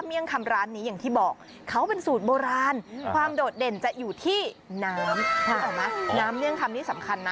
คำร้านนี้อย่างที่บอกเขาเป็นสูตรโบราณความโดดเด่นจะอยู่ที่น้ำนึกออกไหมน้ำเมี่ยงคำนี้สำคัญนะ